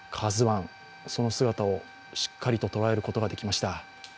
「ＫＡＺＵⅠ」その姿をしっかりと捉えることができました。